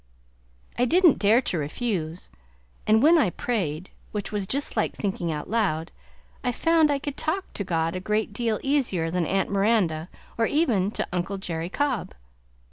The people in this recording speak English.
I didn't dare to refuse, and when I prayed, which was just like thinking out loud, I found I could talk to God a great deal easier than to Aunt Miranda or even to Uncle Jerry Cobb.